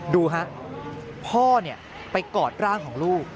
ดูฮะพ่อไปกอดร่างของลูก